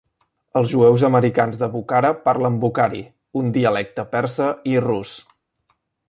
Els jueus americans de Bukhara parlen bukhari, un dialecte persa i rus.